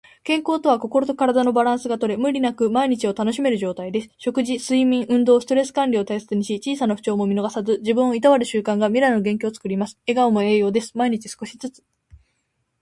健康とは、心と体のバランスがとれ、無理なく毎日を楽しめる状態です。食事、睡眠、運動、ストレス管理を大切にし、小さな不調も見逃さず、自分をいたわる習慣が未来の元気をつくります。笑顔も栄養です。毎日少しずつ。